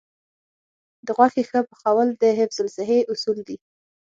د غوښې ښه پخول د حفظ الصحې اصول دي.